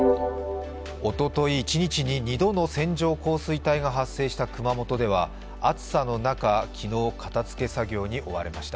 おととい、一日に２度の線状降水帯が発生した熊本では暑さの中、昨日、片づけ作業に追われました。